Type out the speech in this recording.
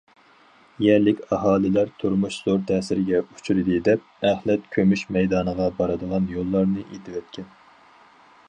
يەرلىك ئاھالىلەر تۇرمۇش زور تەسىرگە ئۇچرىدى، دەپ ئەخلەت كۆمۈش مەيدانىغا بارىدىغان يوللارنى ئېتىۋەتكەن.